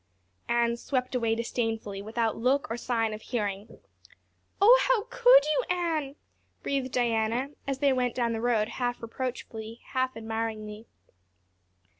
Anne swept by disdainfully, without look or sign of hearing. "Oh how could you, Anne?" breathed Diana as they went down the road half reproachfully, half admiringly.